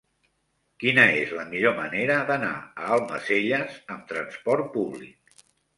Quina és la millor manera d'anar a Almacelles amb trasport públic?